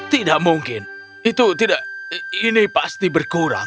tidak mungkin itu tidak ini pasti berkurang